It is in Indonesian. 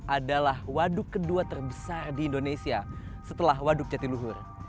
adalah waduk kedua terbesar di indonesia setelah waduk jatiluhur